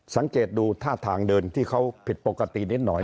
สังเกตดูท่าทางเดินที่เขาผิดปกตินิดหน่อย